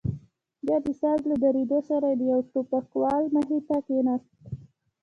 بيا د ساز له درېدو سره د يوه ټوپکوال مخې ته کښېناست.